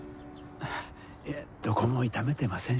いやどこも痛めてませんし。